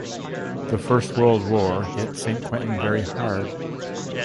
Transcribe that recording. The First World War hit Saint Quentin very hard.